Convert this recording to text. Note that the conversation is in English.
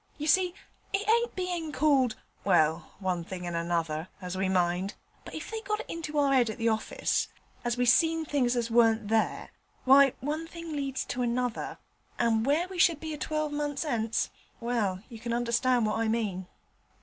You see it ain't bein' called well, one thing and another, as we mind, but if they got it into their 'ead at the orfice as we seen things as warn't there, why, one thing leads to another, and where we should be a twelvemunce 'ence well, you can understand what I mean.'